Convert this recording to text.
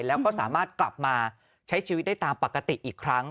แล้วก็สามารถกลับมาใช้ชีวิตได้ตามปกติอีกครั้ง